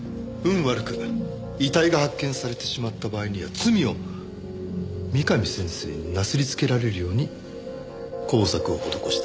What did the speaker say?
悪く遺体が発見されてしまった場合には罪を三上先生になすりつけられるように工作を施した。